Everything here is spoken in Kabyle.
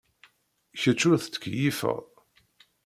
Kecc ur tettkeyyifed.